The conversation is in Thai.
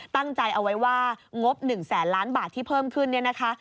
ตั้งใจเอาไว้ว่างบ๑แสนล้านบาทที่เพิ่มขึ้นเนี่ยนะคะ